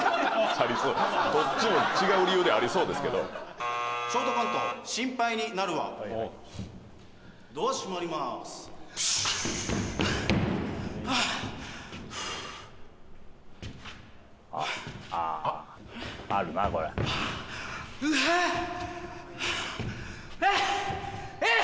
どっちも違う理由でありそうですけどショートコント心配になるわドア閉まりまーすプシューはあふうあっあああるなこれうわっえっ？